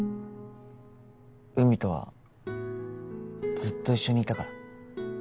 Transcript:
うみとはずっと一緒にいたから。